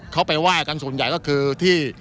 เขาไปไหว้กันส่วนใหญ่ก็คือที่